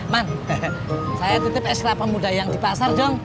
man saya titip es kelapa muda yang di pasar dong